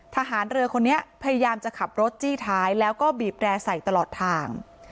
ทหารเรือคนนี้พยายามจะขับรถจี้ท้ายแล้วก็บีบแร่ใส่ตลอดทาง